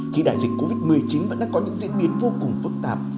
khi đại dịch covid một mươi chín vẫn đang có những diễn biến vô cùng phức tạp